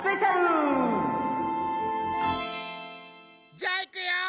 じゃあいくよ！